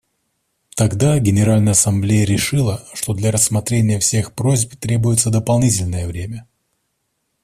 Тогда Генеральная Ассамблея решила, что для рассмотрения всех просьб требуется дополнительное время.